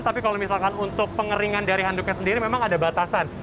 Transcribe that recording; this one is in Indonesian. tapi kalau misalkan untuk pengeringan dari handuknya sendiri memang ada batasan